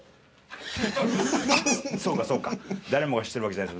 そうかそうか誰もが知ってるわけじゃない。